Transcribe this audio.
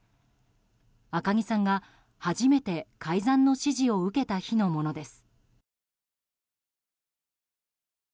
赤木さんが初めて改ざんの指示を受けた日のものです。